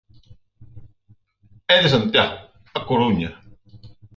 E de Santiago, á Coruña.